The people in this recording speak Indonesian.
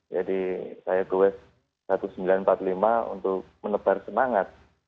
jadi saya gores seribu sembilan ratus empat puluh lima untuk menebar semangat